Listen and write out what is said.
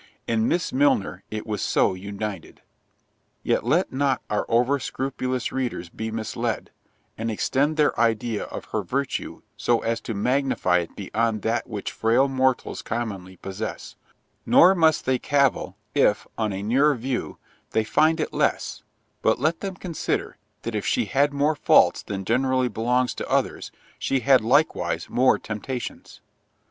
In Miss Milner it was so united. Yet let not our over scrupulous readers be misled, and extend their idea of her virtue so as to magnify it beyond that which frail mortals commonly possess; nor must they cavil, if, on a nearer view, they find it less—but let them consider, that if she had more faults than generally belong to others, she had likewise more temptations.